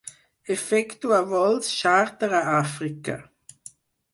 Efectua vols xàrter a Àfrica.